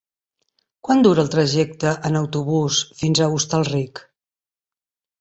Quant dura el trajecte en autobús fins a Hostalric?